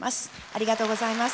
ありがとうございます。